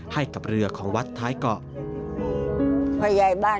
ให้กับเรือของวัดท้ายเกาะ